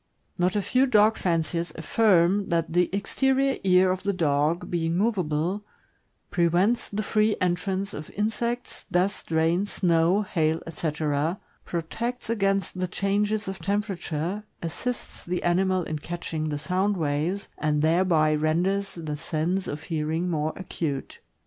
Not a few dog fanciers affirm that the exterior ear of the dog, being movable, prevents the free entrance of insects, dust, rain, snow, hail, etc., protects against the changes of temperature, assists the animal in catching the sound waves, and thereby renders the sense, of hearing more acute.